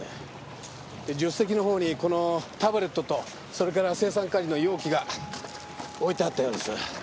助手席のほうにこのタブレットとそれから青酸カリの容器が置いてあったようです。